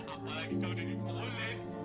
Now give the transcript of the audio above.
apalagi tahu jadi polis